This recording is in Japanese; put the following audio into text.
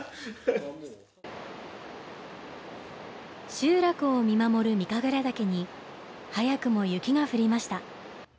集落を見守る御神楽岳に早くも雪が降りました。